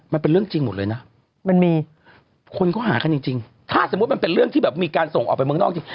มันเป็นเรื่องจริงหมดเลยนะมันมีคนเขาหากันจริงถ้าสมมุติมันเป็นเรื่องที่แบบมีการส่งออกไปเมืองนอกจริง